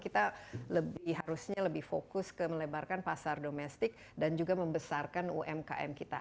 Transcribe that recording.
kita harusnya lebih fokus ke melebarkan pasar domestik dan juga membesarkan umkm kita